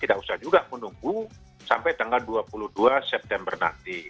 tidak usah juga menunggu sampai tanggal dua puluh dua september nanti